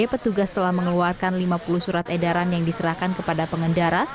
petugas telah mengeluarkan lima puluh surat edaran yang diserahkan kepada pengendara